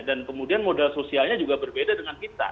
dan kemudian modal sosialnya juga berbeda dengan kita